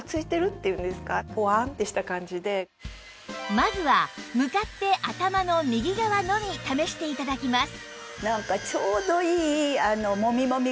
まずは向かって頭の右側のみ試して頂きます